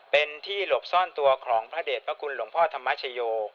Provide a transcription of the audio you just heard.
เป็นที่หลบซ่อนตัวของพระเด็จพระคุณหลวงพ่อธรรมชโย